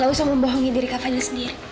gak usah membohongi diri kak fadil sendiri